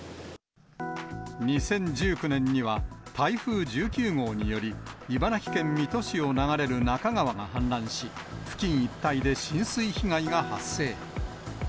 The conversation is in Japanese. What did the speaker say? ２０１９年には、台風１９号により、茨城県水戸市を流れる那珂川が氾濫し、付近一帯で浸水被害が発生。